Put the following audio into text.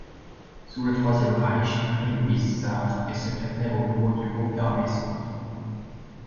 Sous le troisième Reich, Marie-Louise Sarre est secrétaire au bureau du Groupe d'armées Centre.